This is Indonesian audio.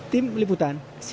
tim liputan cnn indonesia